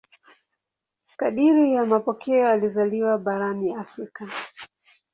Kadiri ya mapokeo alizaliwa barani Afrika.